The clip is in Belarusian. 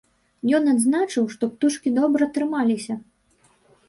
Ён адзначыў, што птушкі добра трымаліся.